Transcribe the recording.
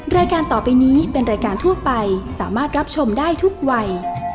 รายการต่อไปนี้เป็นรายการทั่วไปสามารถรับชมได้ทุกวัย